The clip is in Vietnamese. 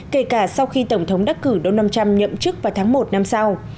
kể cả sau khi tổng thống đắc cử đông năm trăm linh nhậm chức vào tháng một năm sau